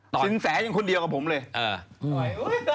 ซินแซคเป็นคนเดียวกับผมเลย